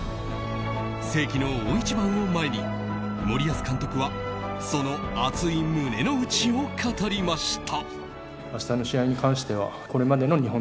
世紀の大一番を前に森保監督はその熱い胸の内を語りました。